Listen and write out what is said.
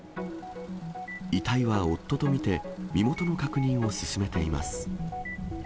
遺体は夫と見て、身元の確認を進めています。